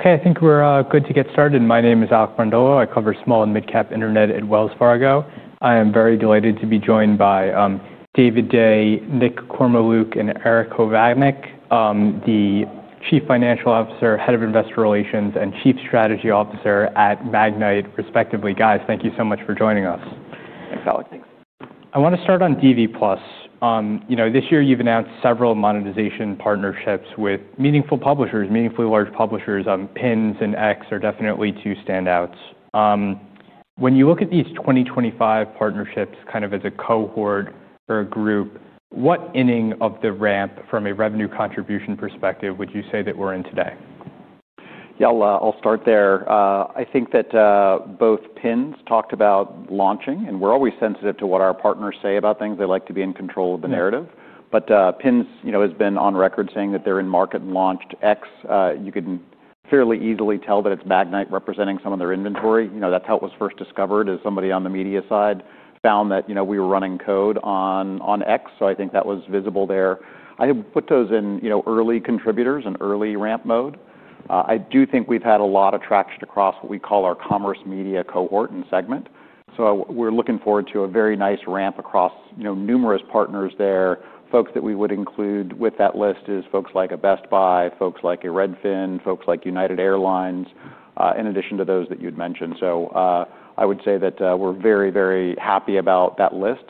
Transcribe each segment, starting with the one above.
Okay, I think we're good to get started. My name is Alec Brondolo. I cover small and mid-cap internet at Wells Fargo. I am very delighted to be joined by David Day, Nick Kormeluk, and Erik Hovanec, the Chief Financial Officer, Head of Investor Relations, and Chief Strategy Officer at Magnite, respectively. Guys, thank you so much for joining us. Thanks, Alec. Thanks. I want to start on DV+. You know, this year you've announced several monetization partnerships with meaningful publishers, meaningfully large publishers. PINS and X are definitely two standouts. When you look at these 2025 partnerships kind of as a cohort or a group, what inning of the ramp from a revenue contribution perspective would you say that we're in today? Yeah, I'll start there. I think that both PINS talked about launching, and we're always sensitive to what our partners say about things. They like to be in control of the narrative. PINS, you know, has been on record saying that they're in market and launched X. You can fairly easily tell that it's Magnite representing some of their inventory. You know, that's how it was first discovered, as somebody on the media side found that, you know, we were running code on X. I think that was visible there. I have put those in early contributors and early ramp mode. I do think we've had a lot of traction across what we call our commerce media cohort and segment. We're looking forward to a very nice ramp across numerous partners there. Folks that we would include with that list are folks like a Best Buy, folks like a Redfin, folks like United Airlines, in addition to those that you'd mentioned. I would say that we're very, very happy about that list.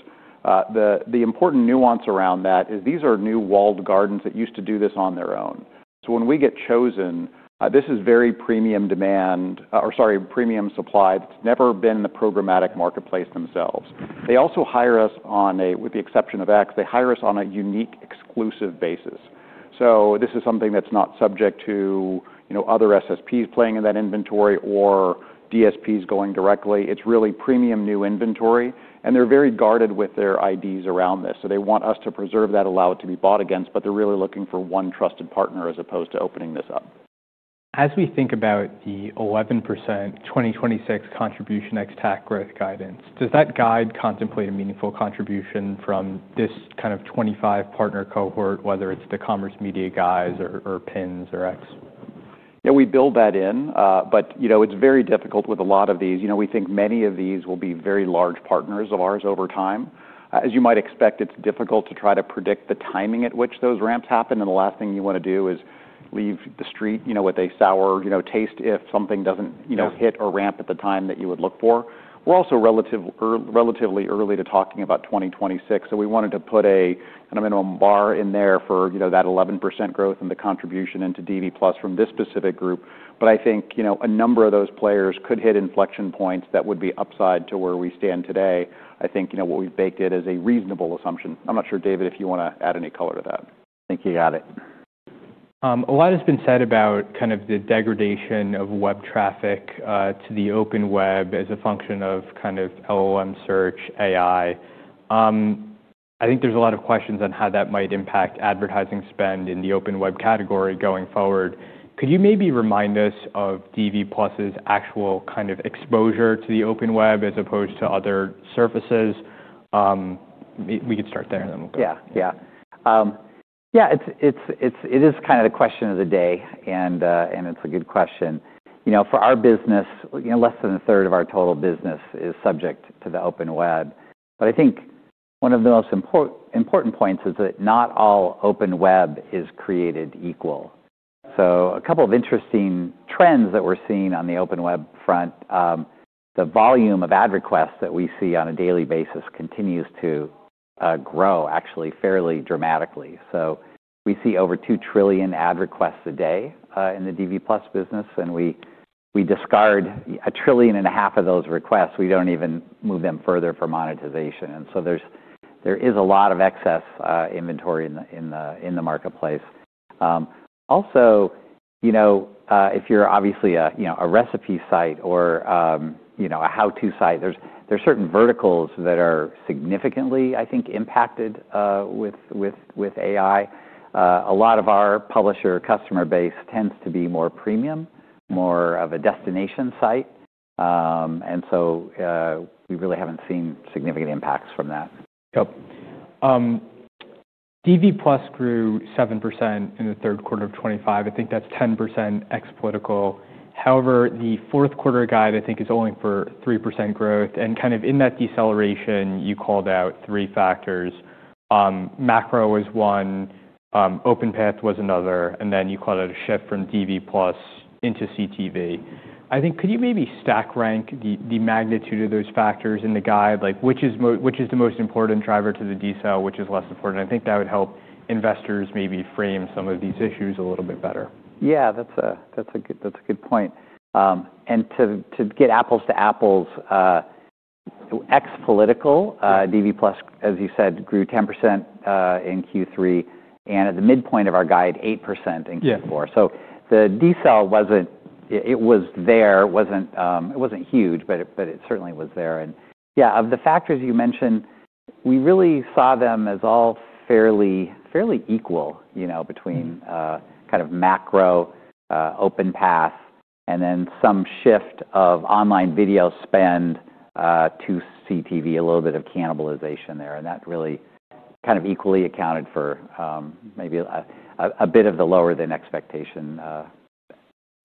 The important nuance around that is these are new walled gardens that used to do this on their own. When we get chosen, this is very premium demand, or sorry, premium supply. It's never been the programmatic marketplace themselves. They also hire us, with the exception of X, they hire us on a unique exclusive basis. This is something that's not subject to, you know, other SSPs playing in that inventory or DSPs going directly. It's really premium new inventory. They're very guarded with their IDs around this. They want us to preserve that, allow it to be bought against, but they're really looking for one trusted partner as opposed to opening this up. As we think about the 11% 2026 contribution XTAC growth guidance, does that guide contemplate a meaningful contribution from this kind of 25-partner cohort, whether it's the commerce media guys or, or PINS or X? Yeah, we build that in. But, you know, it's very difficult with a lot of these. You know, we think many of these will be very large partners of ours over time. As you might expect, it's difficult to try to predict the timing at which those ramps happen. The last thing you want to do is leave the street, you know, with a sour, you know, taste if something doesn't, you know, hit or ramp at the time that you would look for. We're also relatively early to talking about 2026. We wanted to put a minimum bar in there for, you know, that 11% growth and the contribution into DV+ from this specific group. But I think, you know, a number of those players could hit inflection points that would be upside to where we stand today. I think, you know, what we've baked in is a reasonable assumption. I'm not sure, David, if you want to add any color to that. I think you got it. A lot has been said about kind of the degradation of web traffic to the open web as a function of kind of LLM search, AI. I think there's a lot of questions on how that might impact advertising spend in the open web category going forward. Could you maybe remind us of DV+ actual kind of exposure to the open web as opposed to other surfaces? We could start there and then we'll go. Yeah. Yeah. Yeah, it's, it's, it is kind of the question of the day. And it's a good question. You know, for our business, you know, less than a third of our total business is subject to the open web. But I think one of the most important points is that not all open web is created equal. So a couple of interesting trends that we're seeing on the open web front, the volume of ad requests that we see on a daily basis continues to grow actually fairly dramatically. We see over 2 trillion ad requests a day in the DV+ business. And we discard a trillion and a half of those requests. We don't even move them further for monetization. There is a lot of excess inventory in the marketplace. Also, you know, if you're obviously a, you know, a recipe site or, you know, a how-to site, there's certain verticals that are significantly, I think, impacted with AI. A lot of our publisher customer base tends to be more premium, more of a destination site, and so we really haven't seen significant impacts from that. Yep. DV+ grew 7% in the third quarter of 2025. I think that's 10% X political. However, the fourth quarter guide, I think, is only for 3% growth. In that deceleration, you called out three factors. Macro was one, OpenPath was another, and then you called out a shift from DV+ into CTV. I think, could you maybe stack rank the magnitude of those factors in the guide, like which is the most important driver to the decel, which is less important? I think that would help investors maybe frame some of these issues a little bit better. Yeah, that's a good, that's a good point. To get apples to apples, X political, DV+, as you said, grew 10% in Q3 and at the midpoint of our guide, 8% in Q4. The decel was there, it wasn't huge, but it certainly was there. Of the factors you mentioned, we really saw them as all fairly equal, you know, between kind of macro, OpenPath, and then some shift of online video spend to CTV, a little bit of cannibalization there. That really kind of equally accounted for maybe a bit of the lower than expectation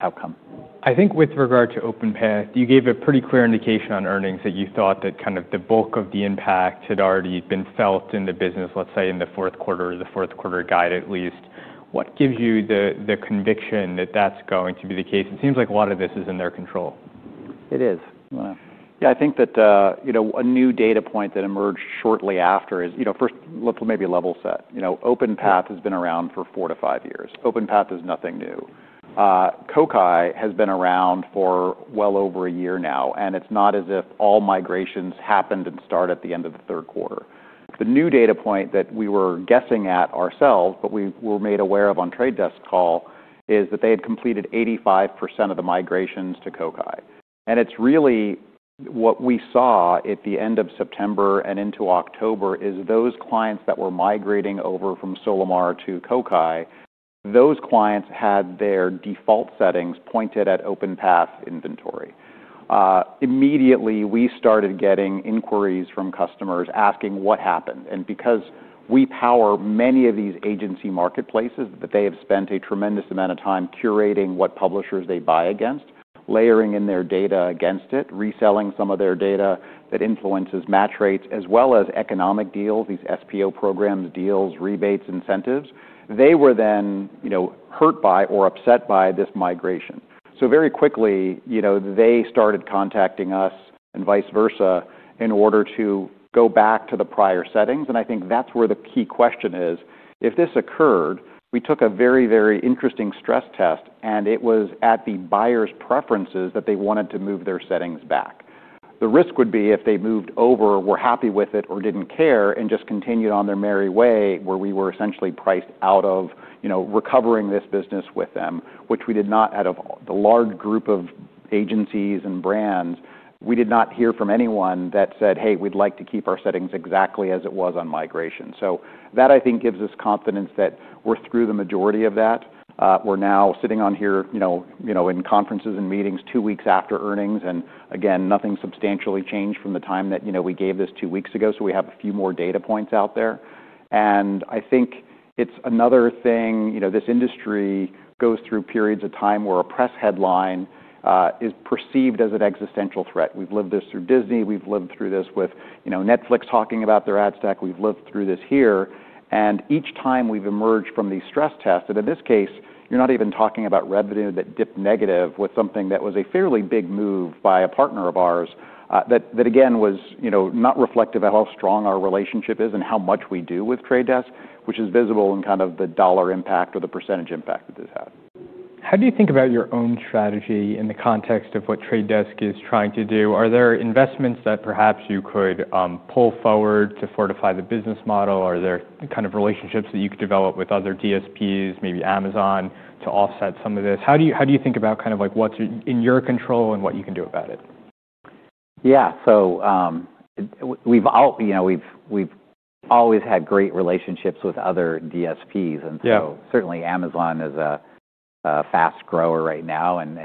outcome. I think with regard to OpenPath, you gave a pretty clear indication on earnings that you thought that kind of the bulk of the impact had already been felt in the business, let's say in the fourth quarter or the fourth quarter guide at least. What gives you the conviction that that's going to be the case? It seems like a lot of this is in their control. It is. Yeah. Yeah, I think that, you know, a new data point that emerged shortly after is, you know, first, let's maybe level set. You know, OpenPath has been around for four to five years. OpenPath is nothing new. Kokai has been around for well over a year now. It's not as if all migrations happened and started at the end of the third quarter. The new data point that we were guessing at ourselves, but we were made aware of on The Trade Desk call, is that they had completed 85% of the migrations to Kokai. It's really what we saw at the end of September and into October is those clients that were migrating over from Solimar to Kokai, those clients had their default settings pointed at OpenPath inventory. Immediately we started getting inquiries from customers asking what happened. Because we power many of these agency marketplaces, they have spent a tremendous amount of time curating what publishers they buy against, layering in their data against it, reselling some of their data that influences match rates, as well as economic deals, these SPO programs, deals, rebates, incentives, they were then, you know, hurt by or upset by this migration. Very quickly, you know, they started contacting us and vice versa in order to go back to the prior settings. I think that's where the key question is. If this occurred, we took a very, very interesting stress test, and it was at the buyer's preferences that they wanted to move their settings back. The risk would be if they moved over, were happy with it, or didn't care and just continued on their merry way, where we were essentially priced out of, you know, recovering this business with them, which we did not. Out of the large group of agencies and brands, we did not hear from anyone that said, "Hey, we'd like to keep our settings exactly as it was on migration." That, I think, gives us confidence that we're through the majority of that. We're now sitting here, you know, in conferences and meetings two weeks after earnings. Again, nothing substantially changed from the time that, you know, we gave this two weeks ago. We have a few more data points out there. I think it's another thing, you know, this industry goes through periods of time where a press headline is perceived as an existential threat. We've lived this through Disney. We've lived through this with, you know, Netflix talking about their ad stack. We've lived through this here. Each time we've emerged from these stress tests, and in this case, you're not even talking about revenue that dipped negative with something that was a fairly big move by a partner of ours, that again was, you know, not reflective of how strong our relationship is and how much we do with The Trade Desk, which is visible in kind of the dollar impact or the percentage impact that this had. How do you think about your own strategy in the context of what The Trade Desk is trying to do? Are there investments that perhaps you could pull forward to fortify the business model? Are there kind of relationships that you could develop with other DSPs, maybe Amazon, to offset some of this? How do you think about kind of like what's in your control and what you can do about it? Yeah. So, we've all, you know, we've always had great relationships with other DSPs. And so certainly Amazon is a fast grower right now, and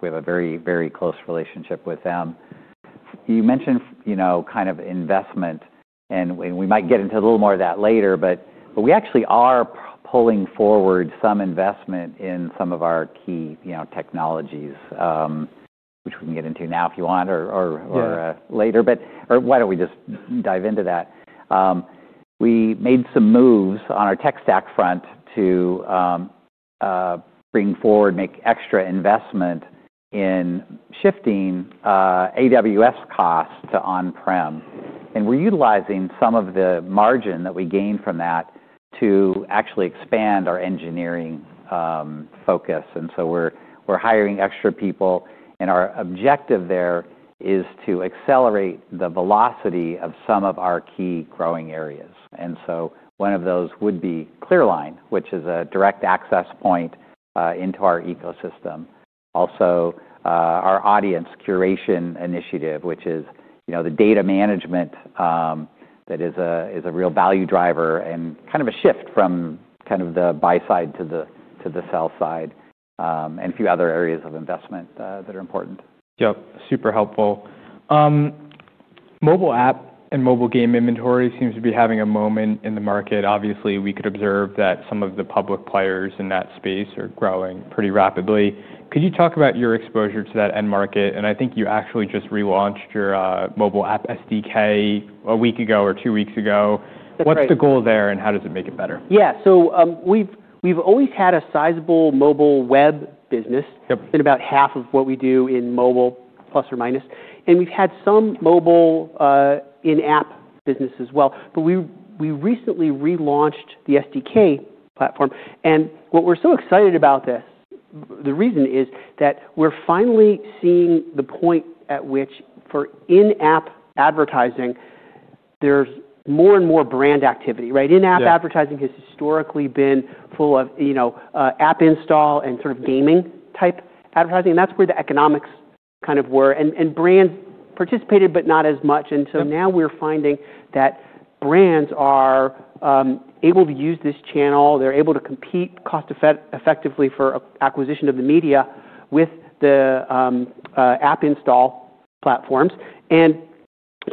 we have a very, very close relationship with them. You mentioned, you know, kind of investment, and we might get into a little more of that later, but we actually are pulling forward some investment in some of our key, you know, technologies, which we can get into now if you want or, or later. Or why do not we just dive into that? We made some moves on our tech stack front to bring forward, make extra investment in shifting AWS costs to on-prem. And we are utilizing some of the margin that we gained from that to actually expand our engineering focus. And so we are hiring extra people. Our objective there is to accelerate the velocity of some of our key growing areas. One of those would be Clearline, which is a direct access point into our ecosystem. Also, our audience curation initiative, which is, you know, the data management, that is a real value driver and kind of a shift from kind of the buy side to the sell side, and a few other areas of investment that are important. Yep. Super helpful. Mobile app and mobile game inventory seems to be having a moment in the market. Obviously, we could observe that some of the public players in that space are growing pretty rapidly. Could you talk about your exposure to that end market? I think you actually just relaunched your mobile app SDK a week ago or two weeks ago. What's the goal there and how does it make it better? Yeah. We've always had a sizable mobile web business. Yep. In about half of what we do in mobile plus or minus. We've had some mobile, in-app business as well. We recently relaunched the SDK platform. What we're so excited about, the reason is that we're finally seeing the point at which for in-app advertising, there's more and more brand activity, right? In-app advertising has historically been full of, you know, app install and sort of gaming type advertising. That's where the economics kind of were. Brands participated, but not as much. Now we're finding that brands are able to use this channel. They're able to compete cost effectively for acquisition of the media with the app install platforms.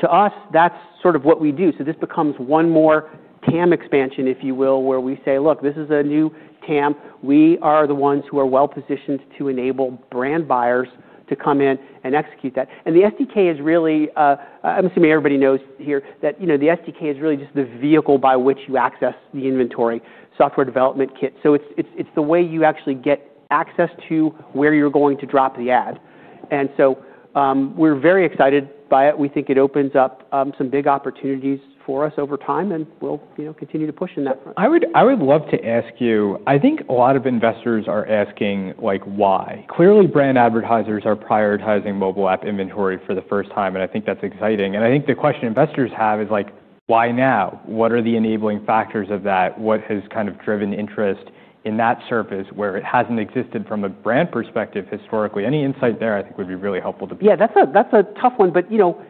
To us, that's sort of what we do. This becomes one more TAM expansion, if you will, where we say, "Look, this is a new TAM. We are the ones who are well positioned to enable brand buyers to come in and execute that. The SDK is really, I'm assuming everybody knows here that, you know, the SDK is really just the vehicle by which you access the inventory, software development kit. It is the way you actually get access to where you're going to drop the ad. We are very excited by it. We think it opens up some big opportunities for us over time. We will, you know, continue to push in that front. I would love to ask you, I think a lot of investors are asking, like, why? Clearly, brand advertisers are prioritizing mobile app inventory for the first time. I think that's exciting. I think the question investors have is like, "Why now? What are the enabling factors of that? What has kind of driven interest in that surface where it hasn't existed from a brand perspective historically?" Any insight there I think would be really helpful too. Yeah, that's a tough one. You know,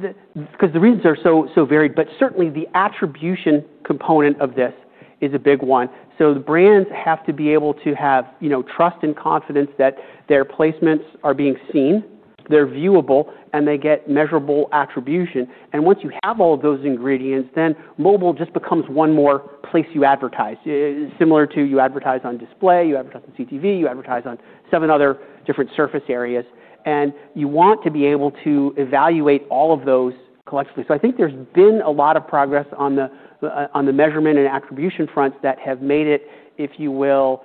because the reasons are so varied, but certainly the attribution component of this is a big one. The brands have to be able to have trust and confidence that their placements are being seen, they're viewable, and they get measurable attribution. Once you have all of those ingredients, then mobile just becomes one more place you advertise, similar to you advertise on display, you advertise on CTV, you advertise on seven other different surface areas. You want to be able to evaluate all of those collectively. I think there's been a lot of progress on the measurement and attribution fronts that have made it, if you will,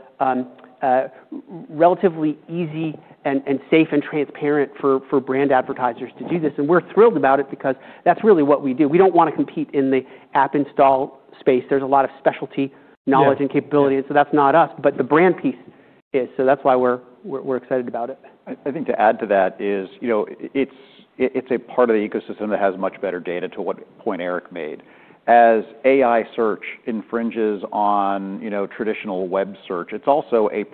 relatively easy and safe and transparent for brand advertisers to do this. We're thrilled about it because that's really what we do. We don't want to compete in the app install space. There's a lot of specialty knowledge and capability. That's not us, but the brand piece is. That's why we're excited about it. I think to add to that is, you know, it's a part of the ecosystem that has much better data to what point Erik made. As AI search infringes on, you know, traditional web search, it's also a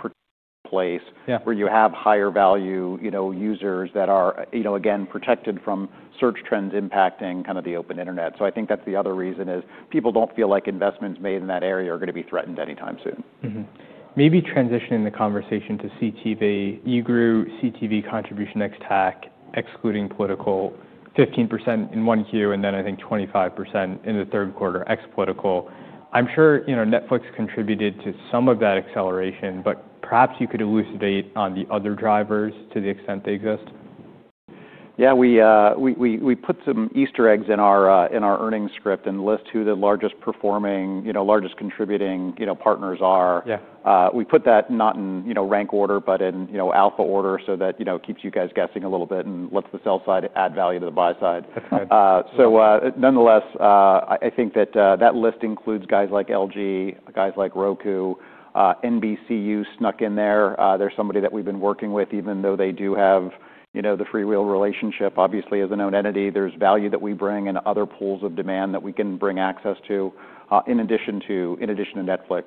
place where you have higher value, you know, users that are, you know, again, protected from search trends impacting kind of the open internet. I think that's the other reason is people don't feel like investments made in that area are going to be threatened anytime soon. Maybe transitioning the conversation to CTV. You grew CTV contribution XTAC, excluding political, 15% in one Q, and then I think 25% in the third quarter, ex-political. I'm sure, you know, Netflix contributed to some of that acceleration, but perhaps you could elucidate on the other drivers to the extent they exist. Yeah, we put some Easter eggs in our earnings script and list who the largest performing, you know, largest contributing, you know, partners are. Yeah. We put that not in, you know, rank order, but in, you know, alpha order so that, you know, it keeps you guys guessing a little bit and lets the sell side add value to the buy side. That's good. Nonetheless, I think that list includes guys like LG, guys like Roku, NBCU snuck in there. There's somebody that we've been working with, even though they do have, you know, the Freewheel relationship, obviously as a known entity. There's value that we bring and other pools of demand that we can bring access to, in addition to Netflix.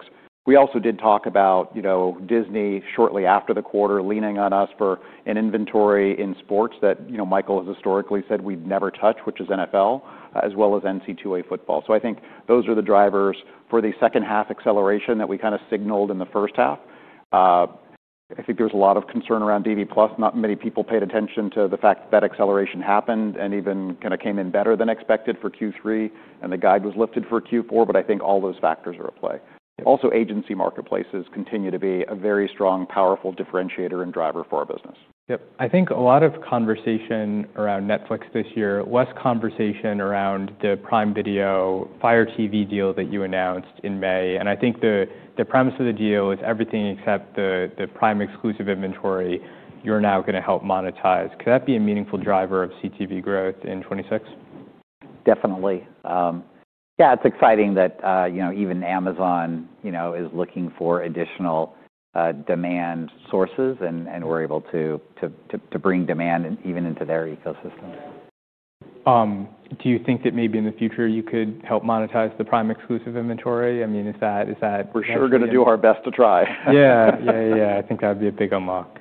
We also did talk about, you know, Disney shortly after the quarter leaning on us for an inventory in sports that, you know, Michael has historically said we'd never touch, which is NFL, as well as NCAA football. I think those are the drivers for the second half acceleration that we kind of signaled in the first half. I think there was a lot of concern around DV+. Not many people paid attention to the fact that acceleration happened and even kind of came in better than expected for Q3. The guide was lifted for Q4. I think all those factors are at play. Also, agency marketplaces continue to be a very strong, powerful differentiator and driver for our business. Yep. I think a lot of conversation around Netflix this year, less conversation around the Prime Video Fire TV deal that you announced in May. I think the premise of the deal is everything except the Prime exclusive inventory you are now going to help monetize. Could that be a meaningful driver of CTV growth in 2026? Definitely. Yeah, it's exciting that, you know, even Amazon, you know, is looking for additional demand sources and we're able to bring demand even into their ecosystem. Do you think that maybe in the future you could help monetize the Prime exclusive inventory? I mean, is that, is that. We're sure going to do our best to try. Yeah. I think that'd be a big unlock.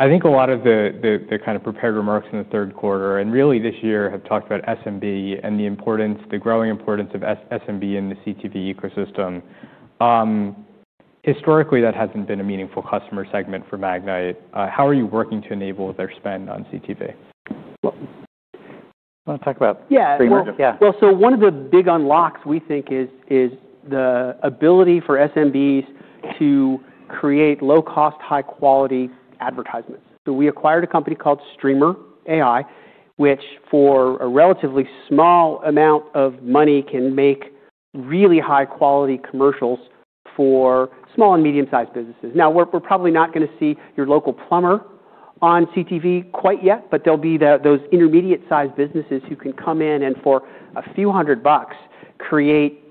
I think a lot of the kind of prepared remarks in the third quarter and really this year have talked about SMB and the importance, the growing importance of SMB in the CTV ecosystem. Historically, that hasn't been a meaningful customer segment for Magnite. How are you working to enable their spend on CTV? I want to talk about. Yeah. Yeah. One of the big unlocks we think is the ability for SMBs to create low-cost, high-quality advertisements. We acquired a company called Streamer AI, which for a relatively small amount of money can make really high-quality commercials for small and medium-sized businesses. Now, we're probably not going to see your local plumber on CTV quite yet, but there will be those intermediate-sized businesses who can come in and for a few hundred bucks create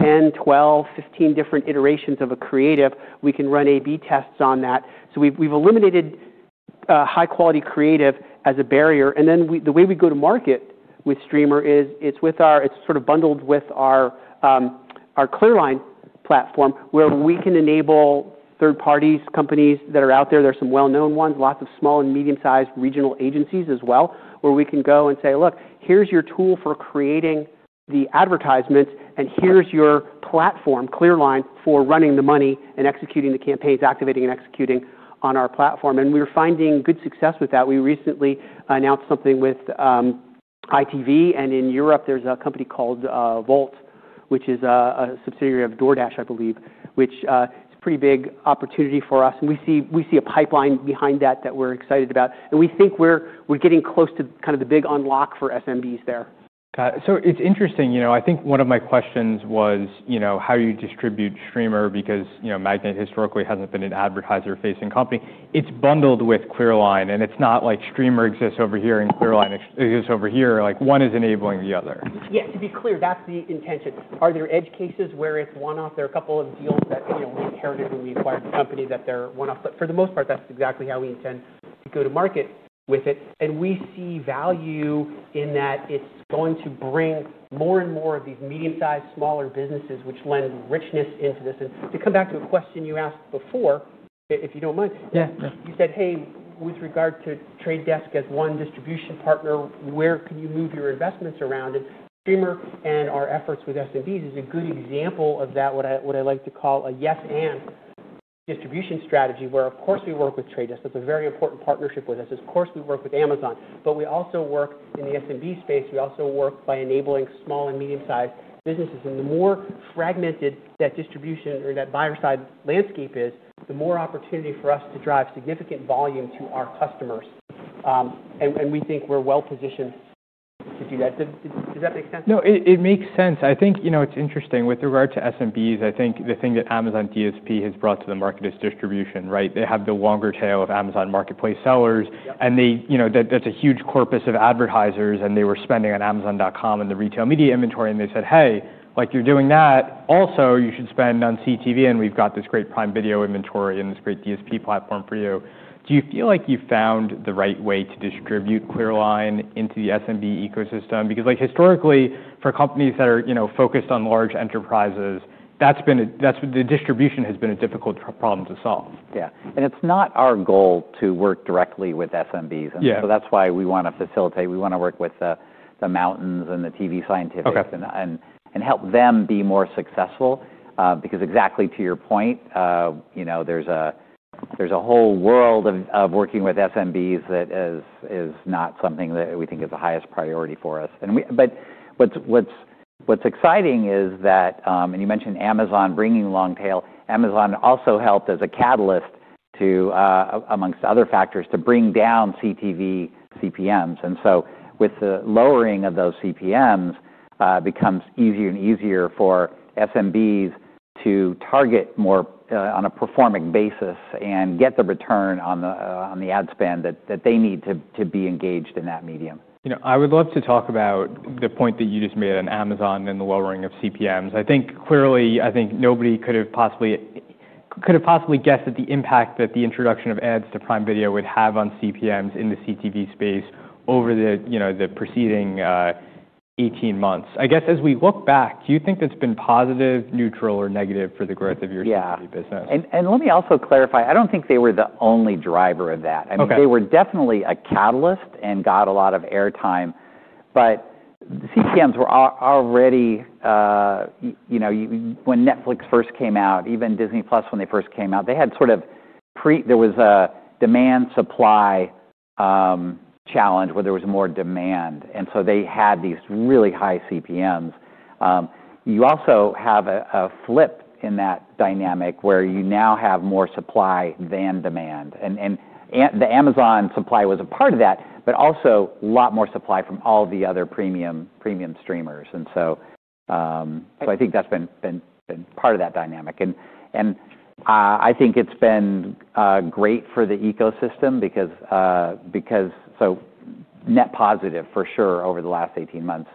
10, 12, 15 different iterations of a creative. We can run A/B tests on that. We have eliminated high-quality creative as a barrier. The way we go to market with Streamer is, it's sort of bundled with our Clearline platform where we can enable third parties, companies that are out there. There's some well-known ones, lots of small and medium-sized regional agencies as well, where we can go and say, "Look, here's your tool for creating the advertisements, and here's your platform, Clearline, for running the money and executing the campaigns, activating and executing on our platform." We're finding good success with that. We recently announced something with ITV. In Europe, there's a company called Volt, which is a subsidiary of DoorDash, I believe, which, it's a pretty big opportunity for us. We see a pipeline behind that that we're excited about. We think we're getting close to kind of the big unlock for SMBs there. Got it. It's interesting, you know, I think one of my questions was, you know, how you distribute Streamer because, you know, Magnite historically hasn't been an advertiser-facing company. It's bundled with Clearline. It's not like Streamer exists over here and Clearline exists over here. Like one is enabling the other. Yeah. To be clear, that's the intention. Are there edge cases where it's one-off? There are a couple of deals that, you know, we inherited when we acquired the company that they're one-off. For the most part, that's exactly how we intend to go to market with it. We see value in that it's going to bring more and more of these medium-sized, smaller businesses, which lend richness into this. To come back to a question you asked before, if you don't mind. Yeah. You said, "Hey, with regard to Trade Desk as one distribution partner, where can you move your investments around?" And Streamer and our efforts with SMBs is a good example of that, what I like to call a yes-and distribution strategy where, of course, we work with Trade Desk. That's a very important partnership with us. Of course, we work with Amazon, but we also work in the SMB space. We also work by enabling small and medium-sized businesses. The more fragmented that distribution or that buyer-side landscape is, the more opportunity for us to drive significant volume to our customers. We think we're well positioned to do that. Does that make sense? No, it makes sense. I think, you know, it's interesting with regard to SMBs. I think the thing that Amazon DSP has brought to the market is distribution, right? They have the longer tail of Amazon Marketplace sellers. And they, you know, that's a huge corpus of advertisers. And they were spending on amazon.com and the retail media inventory. And they said, "Hey, like you're doing that, also you should spend on CTV. And we've got this great Prime Video inventory and this great DSP platform for you." Do you feel like you've found the right way to distribute Clearline into the SMB ecosystem? Because like historically for companies that are, you know, focused on large enterprises, that's been a, that's the distribution has been a difficult problem to solve. Yeah. It is not our goal to work directly with SMBs. Yeah. That's why we want to facilitate. We want to work with the mountains and TV Scientific. Okay. And help them be more successful. Because exactly to your point, you know, there's a whole world of working with SMBs that is not something that we think is the highest priority for us. What's exciting is that, and you mentioned Amazon bringing long tail. Amazon also helped as a catalyst to, amongst other factors, bring down CTV CPMs. With the lowering of those CPMs, it becomes easier and easier for SMBs to target more, on a performing basis, and get the return on the ad spend that they need to be engaged in that medium. You know, I would love to talk about the point that you just made on Amazon and the lowering of CPMs. I think clearly, I think nobody could have possibly guessed the impact that the introduction of ads to Prime Video would have on CPMs in the CTV space over the, you know, the preceding 18 months. I guess as we look back, do you think that's been positive, neutral, or negative for the growth of your CTV business? Yeah. And let me also clarify. I do not think they were the only driver of that. Okay. I mean, they were definitely a catalyst and got a lot of airtime. But CPMs were already, you know, when Netflix first came out, even Disney Plus when they first came out, they had sort of pre, there was a demand-supply challenge where there was more demand. And so they had these really high CPMs. You also have a flip in that dynamic where you now have more supply than demand. The Amazon supply was a part of that, but also a lot more supply from all the other premium streamers. I think that's been part of that dynamic. I think it's been great for the ecosystem because net positive for sure over the last 18 months,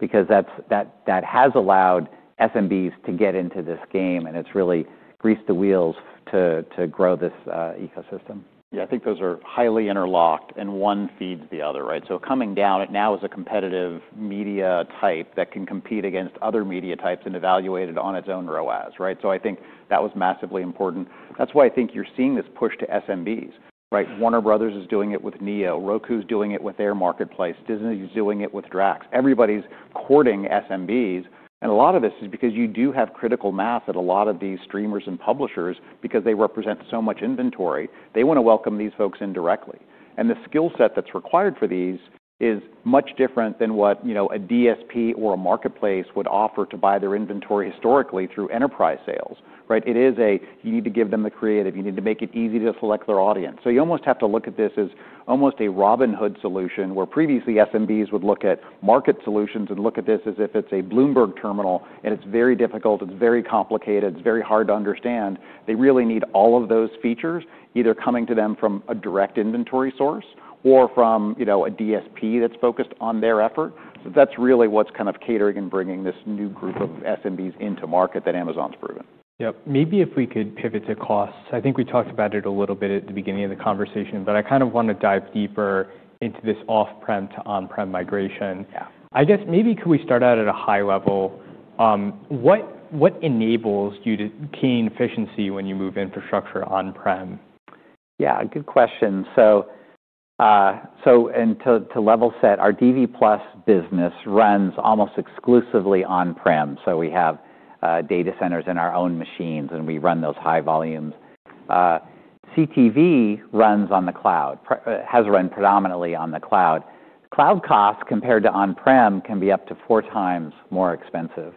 because that has allowed SMBs to get into this game. It's really greased the wheels to grow this ecosystem. Yeah. I think those are highly interlocked and one feeds the other, right? Coming down, it now is a competitive media type that can compete against other media types and be evaluated on its own ROAS, right? I think that was massively important. That's why I think you're seeing this push to SMBs, right? Warner Bros. is doing it with Neo. Roku's doing it with Air Marketplace. Disney's doing it with Drax. Everybody's courting SMBs. A lot of this is because you do have critical mass at a lot of these streamers and publishers because they represent so much inventory. They want to welcome these folks indirectly. The skill set that's required for these is much different than what, you know, a DSP or a marketplace would offer to buy their inventory historically through enterprise sales, right? It is a, you need to give them the creative. You need to make it easy to select their audience. You almost have to look at this as almost a Robinhood solution where previously SMBs would look at market solutions and look at this as if it is a Bloomberg terminal and it is very difficult. It is very complicated. It is very hard to understand. They really need all of those features either coming to them from a direct inventory source or from, you know, a DSP that is focused on their effort. That is really what is kind of catering and bringing this new group of SMBs into market that Amazon has proven. Yep. Maybe if we could pivot to costs. I think we talked about it a little bit at the beginning of the conversation, but I kind of want to dive deeper into this off-prem to on-prem migration. Yeah. I guess maybe could we start out at a high level? What enables you to gain efficiency when you move infrastructure on-prem? Yeah. Good question. To level set, our DV+ business runs almost exclusively on-prem. We have data centers and our own machines, and we run those high volumes. CTV runs on the cloud, has run predominantly on the cloud. Cloud costs compared to on-prem can be up to four times more expensive.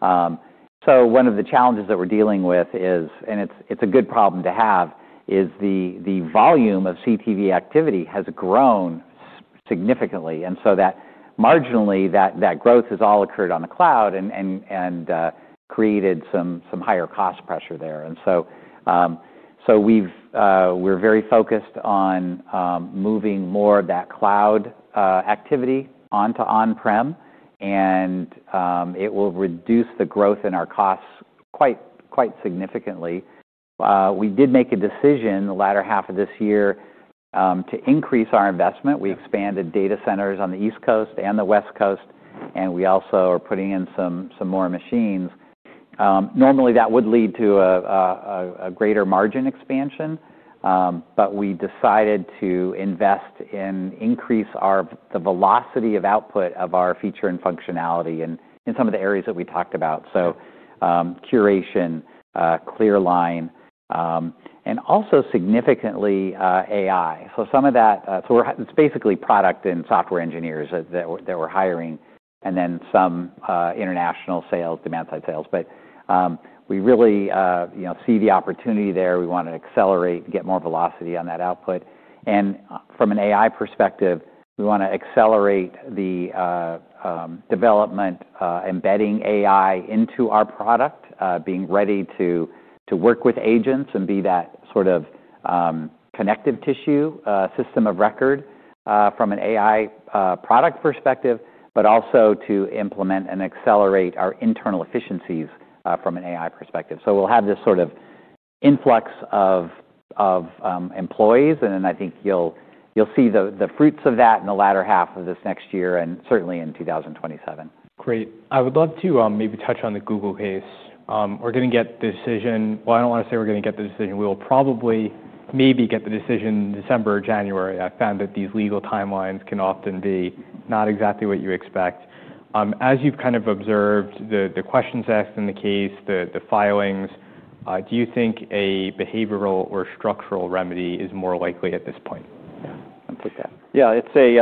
One of the challenges that we're dealing with is, and it's a good problem to have, the volume of CTV activity has grown significantly. Marginally, that growth has all occurred on the cloud and created some higher cost pressure there. We've been very focused on moving more of that cloud activity onto on-prem, and it will reduce the growth in our costs quite significantly. We did make a decision the latter half of this year to increase our investment. We expanded data centers on the East Coast and the West Coast. We also are putting in some more machines. Normally that would lead to a greater margin expansion. We decided to invest in increase our, the velocity of output of our feature and functionality in some of the areas that we talked about. Curation, Clearline, and also significantly, AI. Some of that, so we are, it is basically product and software engineers that we are hiring and then some international sales, demand-side sales. We really, you know, see the opportunity there. We want to accelerate, get more velocity on that output. From an AI perspective, we want to accelerate the development, embedding AI into our product, being ready to work with agents and be that sort of connective tissue, system of record, from an AI product perspective, but also to implement and accelerate our internal efficiencies from an AI perspective. We'll have this sort of influx of employees. I think you'll see the fruits of that in the latter half of this next year and certainly in 2027. Great. I would love to maybe touch on the Google case. We're going to get the decision. I don't want to say we're going to get the decision. We will probably maybe get the decision in December or January. I found that these legal timelines can often be not exactly what you expect. As you've kind of observed the questions asked in the case, the filings, do you think a behavioral or structural remedy is more likely at this point? Yeah. I'll put that. Yeah. It's a,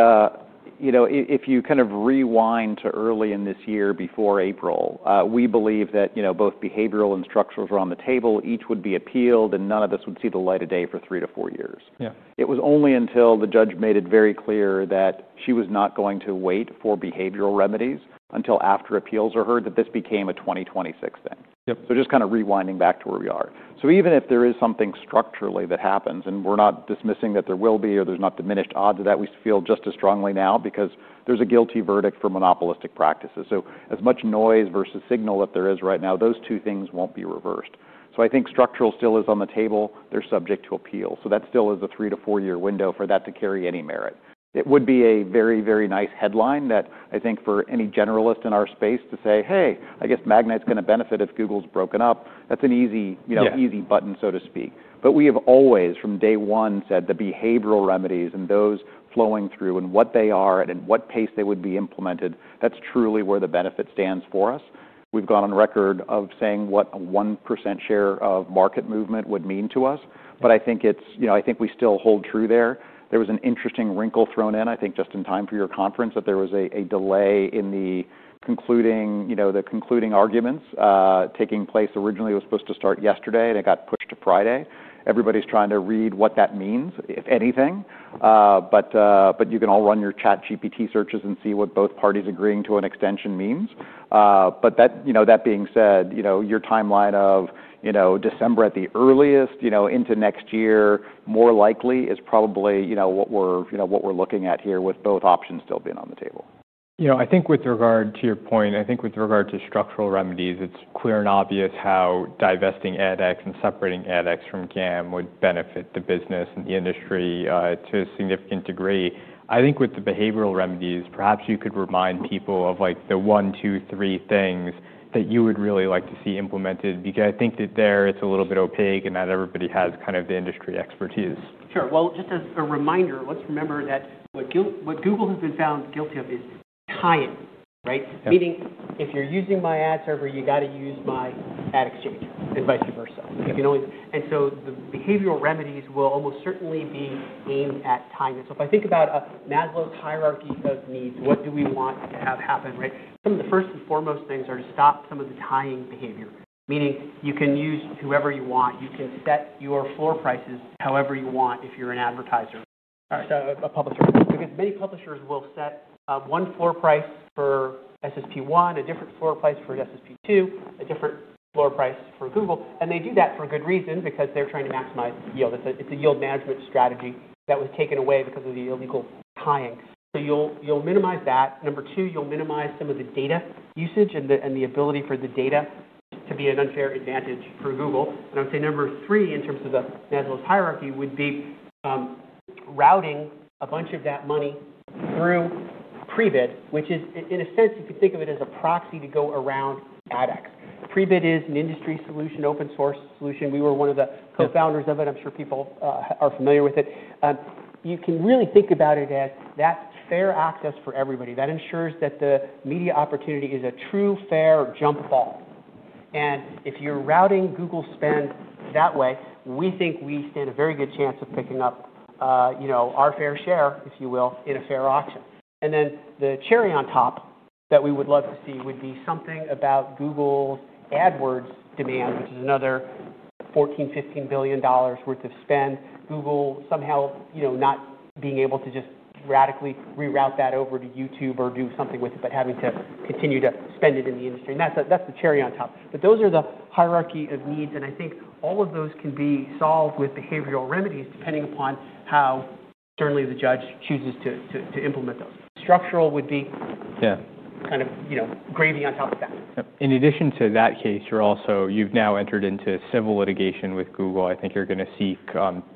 you know, if you kind of rewind to early in this year before April, we believe that, you know, both behavioral and structurals were on the table. Each would be appealed and none of this would see the light of day for three to four years. Yeah. It was only until the judge made it very clear that she was not going to wait for behavioral remedies until after appeals are heard that this became a 2026 thing. Yep. Just kind of rewinding back to where we are. Even if there is something structurally that happens and we're not dismissing that there will be or there's not diminished odds of that, we feel just as strongly now because there's a guilty verdict for monopolistic practices. As much noise versus signal that there is right now, those two things won't be reversed. I think structural still is on the table. They're subject to appeal. That still is a three- to four-year window for that to carry any merit. It would be a very, very nice headline that I think for any generalist in our space to say, "Hey, I guess Magnite's going to benefit if Google's broken up." That's an easy, you know, easy button, so to speak. We have always from day one said the behavioral remedies and those flowing through and what they are and in what pace they would be implemented, that's truly where the benefit stands for us. We've gone on record of saying what a 1% share of market movement would mean to us. I think it's, you know, I think we still hold true there. There was an interesting wrinkle thrown in, I think just in time for your conference, that there was a delay in the concluding, you know, the concluding arguments, taking place. Originally was supposed to start yesterday and it got pushed to Friday. Everybody's trying to read what that means, if anything. You can all run your ChatGPT searches and see what both parties agreeing to an extension means. but that, you know, that being said, you know, your timeline of, you know, December at the earliest, you know, into next year more likely is probably, you know, what we're, you know, what we're looking at here with both options still being on the table. You know, I think with regard to your point, I think with regard to structural remedies, it's clear and obvious how divesting AdX and separating AdX from GAM would benefit the business and the industry, to a significant degree. I think with the behavioral remedies, perhaps you could remind people of like the one, two, three things that you would really like to see implemented because I think that there it's a little bit opaque and not everybody has kind of the industry expertise. Sure. Just as a reminder, let's remember that what Google has been found guilty of is tying, right? Meaning if you're using my ad server, you got to use my ad exchange and vice versa. You can only. The behavioral remedies will almost certainly be aimed at tying. If I think about a Maslow's hierarchy of needs, what do we want to have happen, right? Some of the first and foremost things are to stop some of the tying behavior, meaning you can use whoever you want. You can set your floor prices however you want if you're an advertiser. All right. A publisher, because many publishers will set one floor price for SSP1, a different floor price for SSP2, a different floor price for Google. They do that for good reason because they're trying to maximize yield. It's a yield management strategy that was taken away because of the illegal tying. You'll minimize that. Number two, you'll minimize some of the data usage and the ability for the data to be an unfair advantage for Google. I would say number three in terms of the Maslow's hierarchy would be routing a bunch of that money through Prebid, which is in a sense, you could think of it as a proxy to go around AdX. Prebid is an industry solution, open source solution. We were one of the co-founders of it. I'm sure people are familiar with it. You can really think about it as that's fair access for everybody. That ensures that the media opportunity is a true, fair jump ball. If you're routing Google spend that way, we think we stand a very good chance of picking up, you know, our fair share, if you will, in a fair auction. The cherry on top that we would love to see would be something about Google's AdWords demand, which is another $14 billion-$15 billion worth of spend. Google somehow, you know, not being able to just radically reroute that over to YouTube or do something with it, but having to continue to spend it in the industry. That's the cherry on top. Those are the hierarchy of needs. I think all of those can be solved with behavioral remedies depending upon how externally the judge chooses to implement those. Structural would be, yeah, kind of, you know, gravy on top of that. Yep. In addition to that case, you're also, you've now entered into civil litigation with Google. I think you're going to seek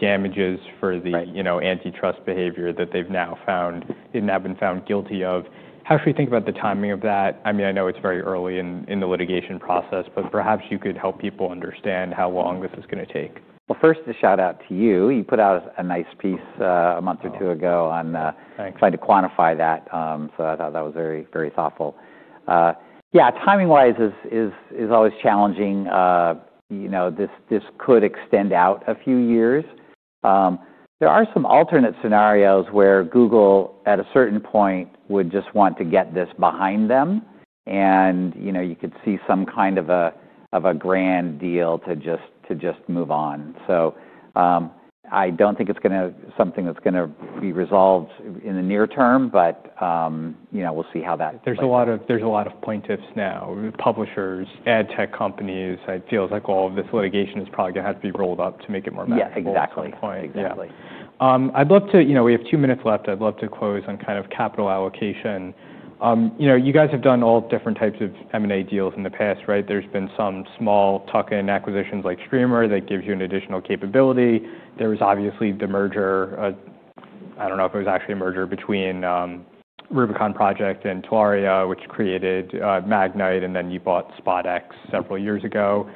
damages for the, you know, antitrust behavior that they've now found, didn't have been found guilty of. How should we think about the timing of that? I mean, I know it's very early in, in the litigation process, but perhaps you could help people understand how long this is going to take. First, a shout out to you. You put out a nice piece, a month or two ago on. Thanks. Trying to quantify that. I thought that was very, very thoughtful. Yeah. Timing-wise is always challenging. You know, this could extend out a few years. There are some alternate scenarios where Google at a certain point would just want to get this behind them. You could see some kind of a grand deal to just move on. I do not think it is going to be something that is going to be resolved in the near term, but, you know, we will see how that. There's a lot of plaintiffs now, publishers, ad tech companies. It feels like all of this litigation is probably going to have to be rolled up to make it more manageable at some point. Yeah. Exactly. Exactly. I'd love to, you know, we have two minutes left. I'd love to close on kind of capital allocation. You know, you guys have done all different types of M&A deals in the past, right? There's been some small tuck-in acquisitions like Streamer that gives you an additional capability. There was obviously the merger, I don't know if it was actually a merger between Rubicon Project and Telaria, which created Magnite, and then you bought SpotX several years ago.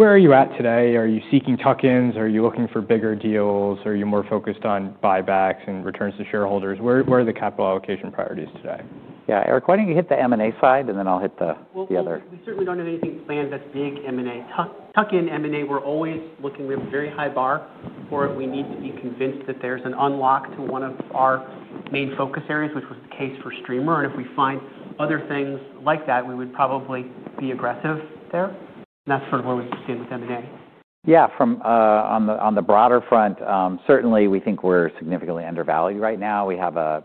Where are you at today? Are you seeking tuck-ins? Are you looking for bigger deals? Are you more focused on buybacks and returns to shareholders? Where are the capital allocation priorities today? Yeah. Erik, why don't you hit the M&A side and then I'll hit the other. We certainly do not have anything planned that is big M&A. Tuck-in M&A, we are always looking. We have a very high bar for it. We need to be convinced that there is an unlock to one of our main focus areas, which was the case for Streamer. If we find other things like that, we would probably be aggressive there. That is sort of where we stand with M&A. Yeah. On the broader front, certainly we think we're significantly undervalued right now. We have a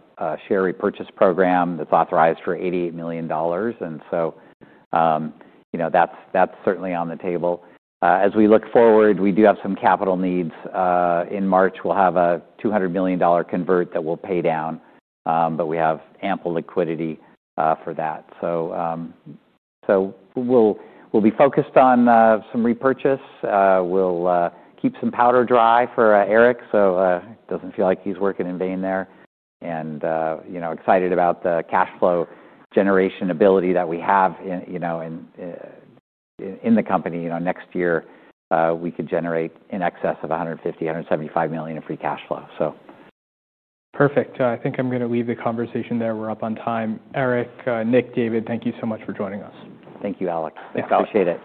share repurchase program that's authorized for $88 million. That's certainly on the table. As we look forward, we do have some capital needs. In March, we'll have a $200 million convert that we'll pay down, but we have ample liquidity for that. We'll be focused on some repurchase. We'll keep some powder dry for Erik, so he doesn't feel like he's working in vain there. You know, excited about the cash flow generation ability that we have in the company. Next year, we could generate in excess of $150 million-$175 million in free cash flow. Perfect. I think I'm going to leave the conversation there. We're up on time. Erik, Nick, David, thank you so much for joining us. Thank you, Alec. I appreciate it.